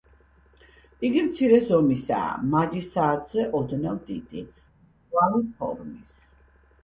იგი მცირე ზომისაა, მაჯის საათზე ოდნავ დიდი, მრგვალი ფორმის.